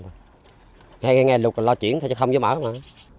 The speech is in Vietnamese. một cái lo chuyển thôi chứ không giống mở không ạ